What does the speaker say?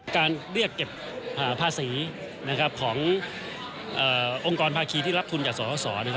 การเรียกเก็บภาษีขององค์กรภาคีที่รับทุนจากสส